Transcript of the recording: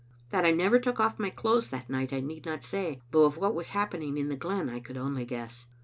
That I never took off my clothes that night I need not say, though of what was happen ing in the glen I could only guess.